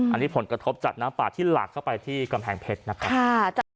อันนี้ผลกระทบจากน้ำป่าที่หลากเข้าไปที่กำแพงเพชรนะครับ